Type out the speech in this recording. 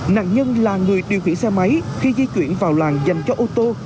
nạn nhân là người điều khiển xe máy khi di chuyển vào làng dành cho ô tô